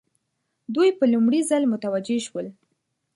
دوی په لومړي ځل متوجه شول.